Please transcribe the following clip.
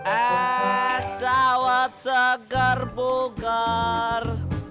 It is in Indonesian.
as sdawat seger bugar